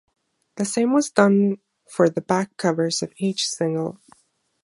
The same was done for the back covers of each single.